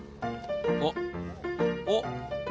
おっおっ。